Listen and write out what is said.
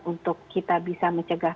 untuk kita bisa mencegah